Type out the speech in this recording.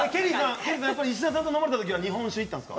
石田さんと飲まれたときは日本酒いったんですか？